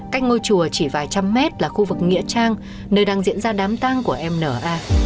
cách ngôi chùa chỉ vài trăm mét là khu vực nghĩa trang nơi đang diễn ra đám tang của em n a